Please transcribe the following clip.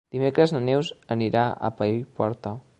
Dimecres na Neus anirà a Paiporta.